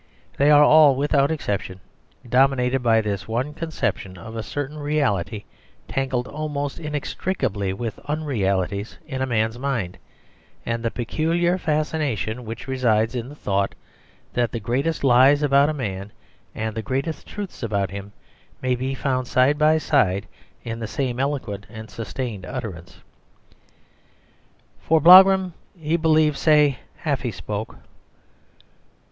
They are all, without exception, dominated by this one conception of a certain reality tangled almost inextricably with unrealities in a man's mind, and the peculiar fascination which resides in the thought that the greatest lies about a man, and the greatest truths about him, may be found side by side in the same eloquent and sustained utterance. "For Blougram, he believed, say, half he spoke."